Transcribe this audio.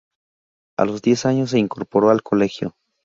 A los diez años se incorporó al colegio.